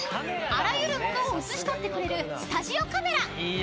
［あらゆるものを写し取ってくれるスタジオカメラ］